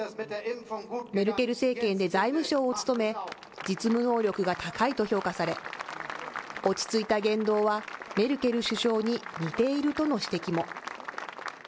メルケル政権で財務相を務め、実務能力が高いと評価され、落ち着いた言動はメルケル首相に似ているとの指摘も。